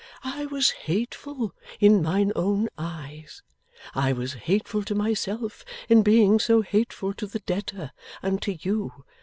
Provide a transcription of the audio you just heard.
I was hateful in mine own eyes. I was hateful to myself, in being so hateful to the debtor and to you.